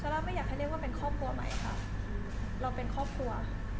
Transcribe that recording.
เราไม่อยากให้เรียกว่าเป็นครอบครัวใหม่ค่ะเราเป็นครอบครัว